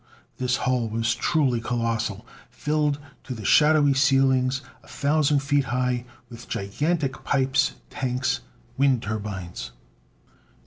This hall was truly colossal, filled to the shadowy ceilings, a thousand feet high, with gigantic pipes, tanks, wind turbines.